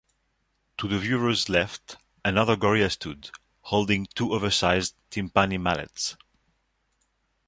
To the viewer's left another gorilla stood, holding two oversized timpani mallets.